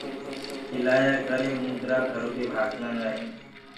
ٻلِآيآ ڪي ڪري اُوندرآ گھرو دي ڀآگجآسي۔